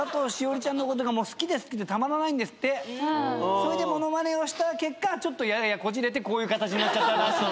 それでモノマネをした結果ちょっとややこじれてこういう形になっちゃったらしい。